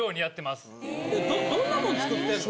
どんなもん作ってんの？